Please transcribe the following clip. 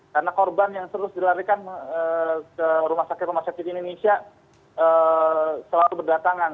karena korban yang terus dilarikan ke rumah sakit indonesia selalu berdatangan